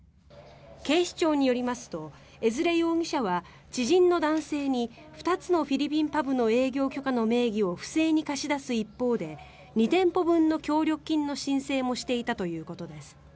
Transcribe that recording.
警視庁によりますと江連容疑者は知人の男性に２つのフィリピンパブの営業許可の名義を不正に貸し出す一方で２店舗分の協力金の申請もしていたということです。